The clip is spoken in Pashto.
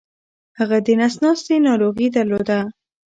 هغه دنس ناستې ناروغې درلوده